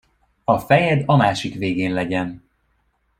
A fejed a másik végén legyen!